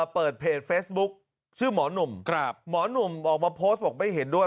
เปิดเพจเฟซบุ๊คชื่อหมอหนุ่มหมอหนุ่มออกมาโพสต์บอกไม่เห็นด้วย